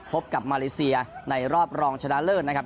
พบกับมาเลเซียในรอบรองชนะเลิศนะครับ